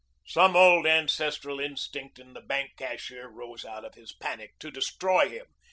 Some old ancestral instinct in the bank cashier rose out of his panic to destroy him.